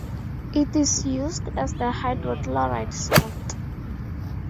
It is used as the hydrochloride salt.